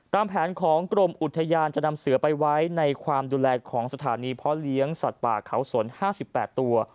ตามแผนของกรมอุทยานจะนำเสือไปไว้ในความดูแลของสถานีเพาะเลี้ยงสัตว์ป่าเขาสน๕๘ตัว